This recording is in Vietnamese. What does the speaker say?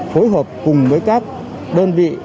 phối hợp cùng với các đơn vị